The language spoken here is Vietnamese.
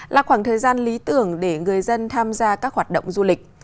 là khoảng thời gian lý tưởng để người dân tham gia các hoạt động du lịch